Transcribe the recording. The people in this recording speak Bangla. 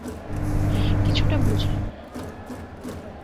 কিছুটা বুঝলাম না!